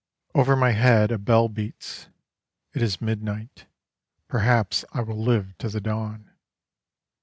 III Over my head a bell beats: it is midnight. Perhaps I will live to the dawn.